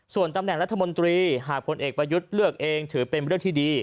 ส่วนตำแหน่งรัฐมนตรีหากพลเอกประยุทธ์เลือกเองถือเป็นเรื่องที่ดี